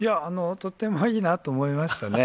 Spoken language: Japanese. とてもいいなと思いましたね。